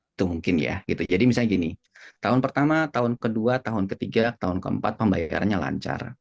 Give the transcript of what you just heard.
itu mungkin ya gitu jadi misalnya gini tahun pertama tahun kedua tahun ketiga tahun keempat pembayarannya lancar